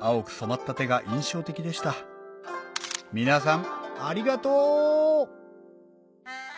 青く染まった手が印象的でした皆さんありがとう！